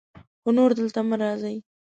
خو نور دلته مه راځئ.